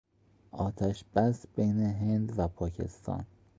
آتش بس بین هند و پاکستان